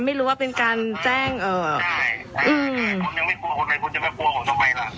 ไม่รู้ว่าเป็นการแจ้งเอ่ออืมผมยังไม่กลัวคนใครคุณจะไม่กลัวผมต้องไปล่ะ